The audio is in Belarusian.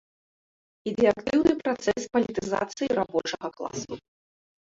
Ідзе актыўны працэс палітызацыі рабочага класу.